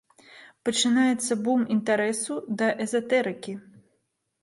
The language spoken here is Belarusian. Пачынаецца бум інтарэсу да эзатэрыкі.